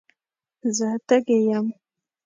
زه تږي یم.